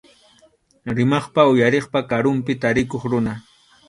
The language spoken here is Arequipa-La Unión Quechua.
Rimaqpa uyariqpa karunpi tarikuq runa.